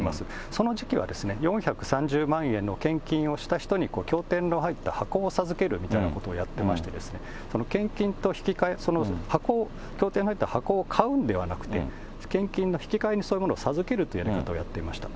その時期は４３０万円の献金をした人に教典の入った箱を授けるというようなことをやってまして、献金と引き換え、その箱を、教典の入った箱を買うのではなくて、献金の引き換えにそういうものを授けるというやり方をやってました。